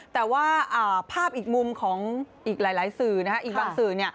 แต่ว่าภาพอีกมุมของอีกหลายสื่ออีกบางสื่อ